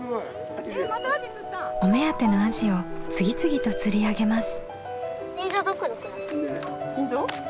お目当てのアジを次々と釣り上げます。